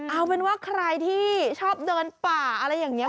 เอาเป็นว่าใครที่ชอบเดินป่าอะไรอย่างนี้